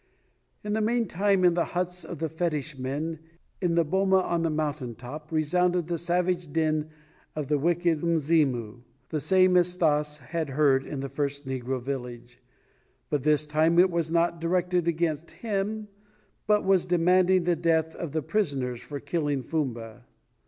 In the meantime, in the huts of the fetish men in the boma on the mountain top, resounded the savage din of the wicked Mzimu, the same as Stas had heard in the first negro village, but this time it was not directed against him but was demanding the death of the prisoners for killing Fumba.